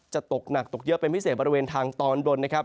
จะตกหนักตกเยอะเป็นพิเศษบริเวณทางตอนบนนะครับ